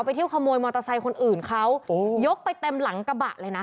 เที่ยวขโมยมอเตอร์ไซค์คนอื่นเขายกไปเต็มหลังกระบะเลยนะ